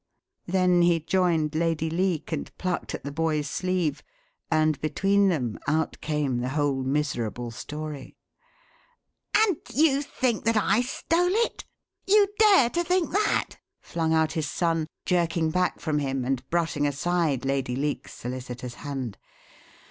Then he joined Lady Leake, and plucked at the boy's sleeve, and between them out came the whole miserable story. "And you think that I stole it? You dare to think that?" flung out his son, jerking back from him and brushing aside Lady Leake's solicitous hand.